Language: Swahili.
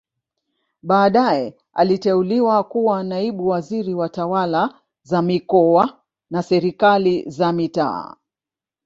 Baadae aliteuliwa kuwa naibu waziri wa tawala za mikoa na serikali za mitaa